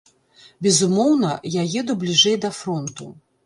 Безумоўна, я еду бліжэй да фронту.